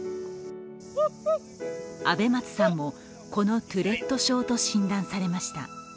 あべ松さんも、このトゥレット症と診断されました。